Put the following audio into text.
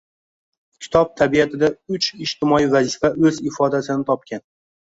Kitob tabiatida uch ijtimoiy vazifa o‘z ifodasini topgan.